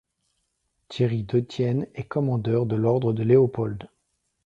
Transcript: Thierry Detienne est Commandeur de l'Ordre de Léopold.